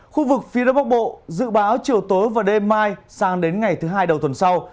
khu vực phía đông bắc bộ dự báo chiều tối và đêm mai sang đến ngày thứ hai đầu tuần sau